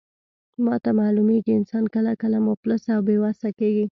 ماته معلومیږي، انسان کله کله مفلس او بې وسه کیږي.